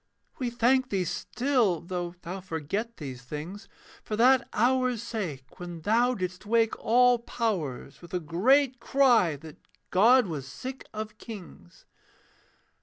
We thank thee still, though thou forget these things, For that hour's sake when thou didst wake all powers With a great cry that God was sick of kings.